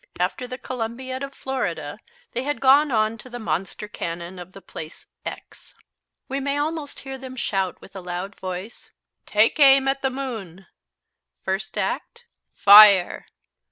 After the Columbiad of Florida, they had gone on to the monster cannon of the place "x." We may almost hear them shout with a loud voice: "Take aim at the moon." First act, "Fire."